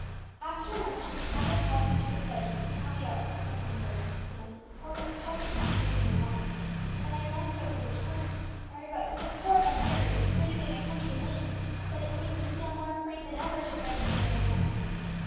"After luncheon papa called me to his study to copy out something for him," said Emmie; "however, that did not take me long. Then I glanced over the Times, and read about such a horrible murder, committed in a country lane, that it made me feel more than ever afraid to venture beyond our grounds.